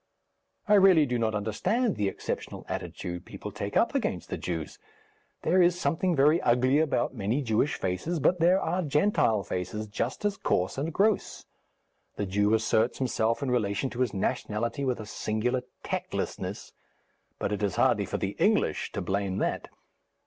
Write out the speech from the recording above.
I really do not understand the exceptional attitude people take up against the Jews. There is something very ugly about many Jewish faces, but there are Gentile faces just as coarse and gross. The Jew asserts himself in relation to his nationality with a singular tactlessness, but it is hardly for the English to blame that.